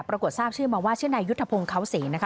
ปรากฏทราบชื่อมาว่าชื่อนายยุทธพงศ์เขาศรีนะคะ